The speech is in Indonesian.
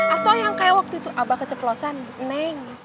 atau yang kayak waktu itu abah keceplosan neing